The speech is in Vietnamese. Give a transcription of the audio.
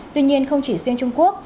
tuy nhiên không chỉ riêng trung quốc